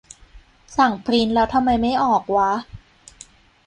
สั่งปริ้นท์แล้วทำไมไม่ออกวะ